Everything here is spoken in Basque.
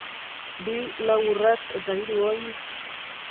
Bi, lau urrats eta hiru oin...